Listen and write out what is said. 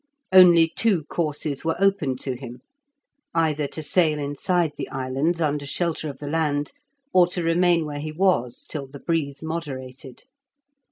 Only two courses were open to him: either to sail inside the islands under shelter of the land, or to remain where he was till the breeze moderated.